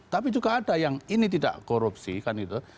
tapi juga ada yang ini tidak korupsi kan gitu